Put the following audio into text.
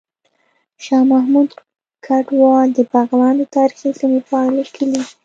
شاه محمود کډوال د بغلان د تاریخي سیمې په اړه ليکلي